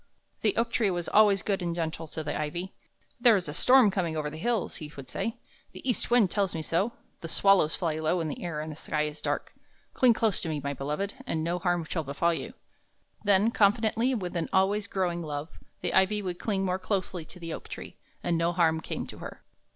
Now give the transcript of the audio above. The oak tree was always good and gentle to the ivy. "There is a storm coming over the hills," he would say. "The east wind tells me so; the swallows fly low in the air, and the sky is dark. Cling close to me, my beloved, and no harm shall befall you." Then, confidently and with an always growing love, the ivy would cling more closely to the oak tree, and no harm came to her.